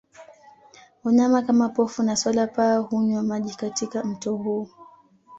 Wanyama kama pofu na swala pala hunywa maji katika mto huu